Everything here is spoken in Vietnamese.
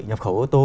nhập khẩu ô tô